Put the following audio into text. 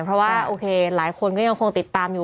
เพราะว่าหลายคนยังคงติดตามอยู่